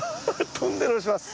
トンネルをします。